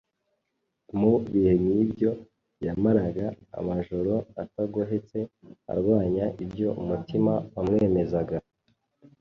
Mu bihe nk’ibyo yamaraga amajoro atagohetse arwanya ibyo umutima wamwemezaga,